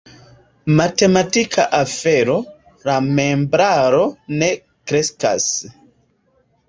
Matematika afero: la membraro ne kreskas.